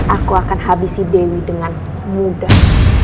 aku akan habisi dewi dengan mudah